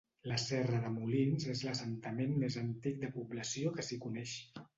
La serra dels Molins és l'assentament més antic de població que s'hi coneix.